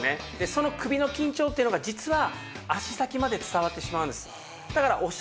その首の緊張っていうのが実は足先まで伝わってしまうんです。